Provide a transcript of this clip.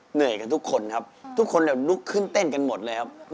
เหนื่อยกันทุกคนครับทุกคนลุกขึ้นเต้นกันหมดเลยครับ